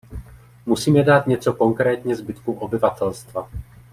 Musíme dát něco konkrétně zbytku obyvatelstva.